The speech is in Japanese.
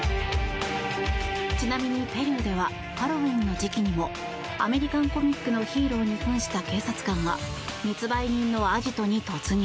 ちなみにペルーではハロウィーンの時期にもアメリカンコミックのヒーローに扮した警察官が密売人のアジトに突入。